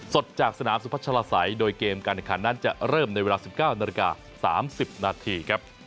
สดจากสนามสุพัชลาศัยโดยเกมการแข่งขันนั้นจะเริ่มในเวลา๑๙นาฬิกา๓๐นาทีครับ